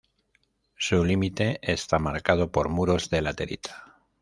Su límite está marcado por muros de laterita.